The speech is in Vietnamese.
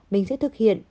mình sẽ thực hiện